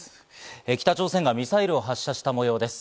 北朝鮮がミサイルを発射した模様です。